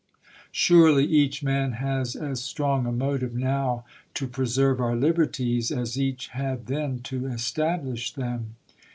Surely each man has as strong a motive now to preserve our liberties as each had then to establish them.